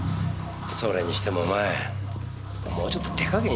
それにしてもお前もうちょっと手加減しろよ。